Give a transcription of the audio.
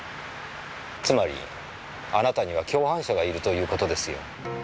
つまりあなたには共犯者がいるということですよ。